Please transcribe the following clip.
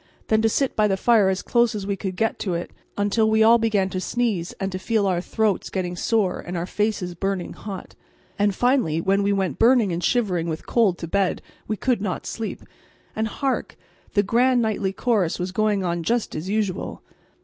Then to sit by the fire as close as we could get to it, until we all began to sneeze and to feel our throats getting sore and our faces burning hot. And, finally, when we went burning and shivering with cold to bed we could not sleep; and hark! the grand nightly chorus was going on just as usual.